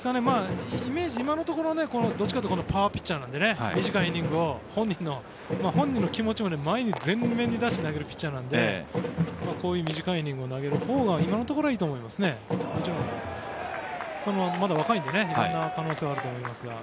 今のところどちらかというとパワーピッチャーなので短いイニングを本人の気持ちを前に、前面に出して投げるピッチャーなのでこういう短いイニングを投げるほうが今のところはいいと思います。